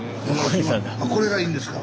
これがいいんですか？